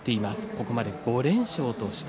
ここまで５連勝。